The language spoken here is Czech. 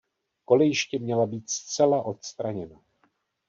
Kolejiště měla být zcela odstraněna.